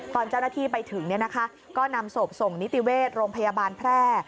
ตอนเจ้าหน้าที่ไปถึงก็นำศพส่งนิติเวชโรงพยาบาลแพร่